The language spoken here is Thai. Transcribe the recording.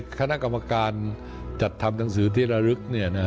คณะกรรมการจัดทำหนังสือที่ระลึก